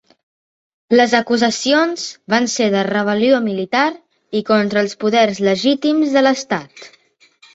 Les acusacions van ser de rebel·lió militar i contra els poders legítims de l'Estat.